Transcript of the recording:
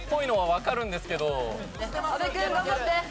阿部君頑張って！